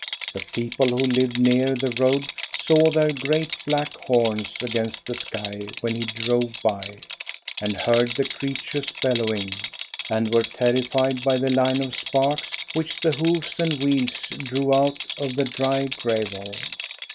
The people who lived near the road saw their great black horns against the sky when he drove by, and heard the creatures* bellowing, and were terrified by the line of sparks which the hoofs and wheels drew out of the dry gravel.